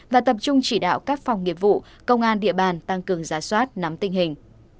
và tập trung chỉ đạo các phòng nghiệp vụ công an địa bàn tăng cường giá soát nắm tình hình